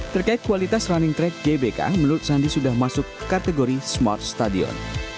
terkait kualitas running track gbk menurut sandi sudah masuk kategori smart stadion